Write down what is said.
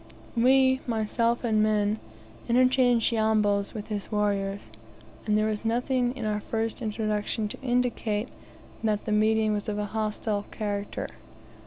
We, myself and men, interchanged "Yambos" with his warriors; and there was nothing in our first introduction to indicate that the meeting was of a hostile character.